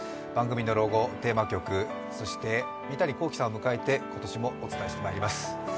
番組のロゴ、テーマ曲、そして三谷幸喜さんを迎えて今年もお伝えしてまいります。